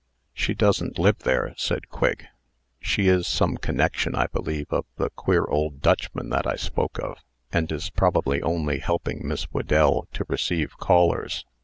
"She doesn't live there," said Quigg. "She is some connection, I believe, of the queer old Dutchman that I spoke of, and is probably only helping Miss Whedell to receive callers.